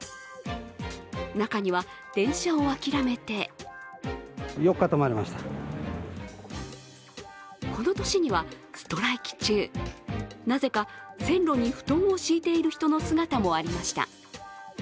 中には電車を諦めてこの年には、ストライキ中、なぜか線路に布団を敷いている人の姿もありました。